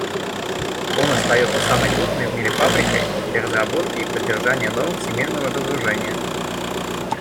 Он остается самой крупной в мире «фабрикой» для разработки и поддержания норм всемирного разоружения.